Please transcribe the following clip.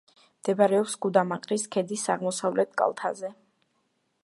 მდებარეობს გუდამაყრის ქედის აღმოსავლეთ კალთაზე.